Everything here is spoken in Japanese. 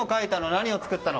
何を作ったの？